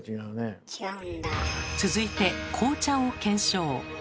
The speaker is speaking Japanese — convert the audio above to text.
続いて紅茶を検証。